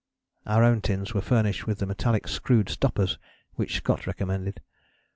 " Our own tins were furnished with the metallic screwed stoppers which Scott recommended.